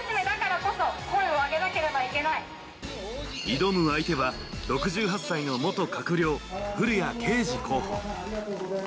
挑む相手は、６８歳の元閣僚、古屋圭司候補。